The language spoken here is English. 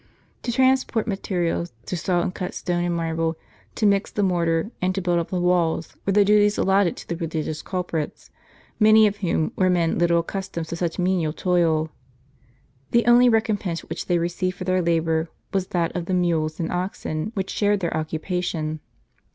To transport materials, to saw and cut stone and marble, to mix the mortar, and to build up the walls, were the duties allotted to the religious culprits, many of whom were men little accustomed to such menial toil. The only recompense which they received for their labor, was that of the mules and oxen which shared their occupation.